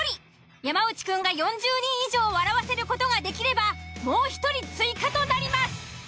山内くんが４０人以上笑わせる事ができればもう１人追加となります。